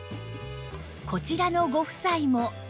こちらのご夫妻も